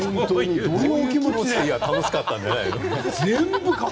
楽しかったんじゃないの？